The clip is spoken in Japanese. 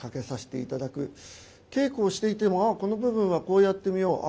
稽古をしていてもああこの部分はこうやってみようあ